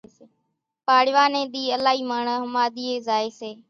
پاڙوا ني ۮي الائِي ماڻۿان ۿماۮِيئين زائي سي